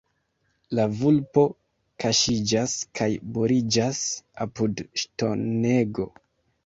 La vulpo kaŝiĝas kaj buliĝas apud ŝtonego.